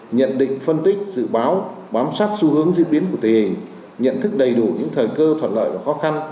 nhận định phân tích dự báo bám sát xu hướng diễn biến của tình hình nhận thức đầy đủ những thời cơ thuận lợi và khó khăn